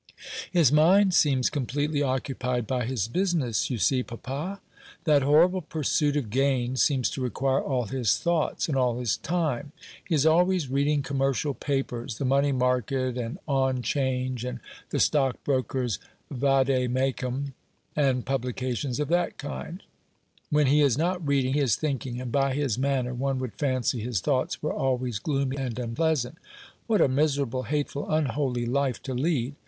"His mind seems completely occupied by his business, you see, papa. That horrible pursuit of gain seems to require all his thoughts, and all his time. He is always reading commercial papers, the Money Market and On Change, and the Stockbrokers' Vade Mecum, and publications of that kind. When he is not reading he is thinking; and by his manner one would fancy his thoughts were always gloomy and unpleasant. What a miserable, hateful, unholy life to lead!